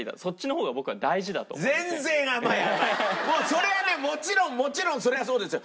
それはねもちろんもちろんそれはそうですよ。